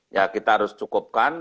ya kita harus cukupkan